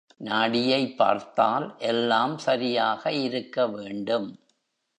நாடியைப் பார்த்தால் எல்லாம் சரியாக இருக்க வேண்டும்.